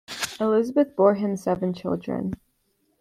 Elisabeth bore him seven children.